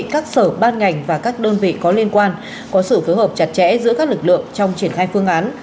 các sở ban ngành và các đơn vị có liên quan có sự phối hợp chặt chẽ giữa các lực lượng trong triển khai phương án